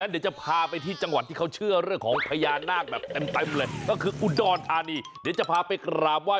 เดี๋ยวจะพาไปที่จังหวัดที่เขาเชื่อเรื่องของพญานาคแบบเต็ม